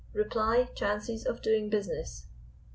Reply chances of doing business.